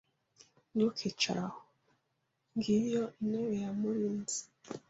Ntukicare aho. Ngiyo intebe ya Murinzi.